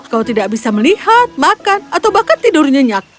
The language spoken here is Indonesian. kau tidak bisa melihat makan atau bahkan tidur nyenyak